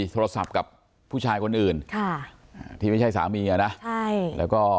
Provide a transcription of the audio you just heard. โตดีแต่ว่าแต่งโต